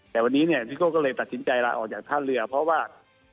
แต่วันนี้เนี่ยซิโก้ก็เลยตัดสินใจลาออกจากท่าเรือเพราะว่า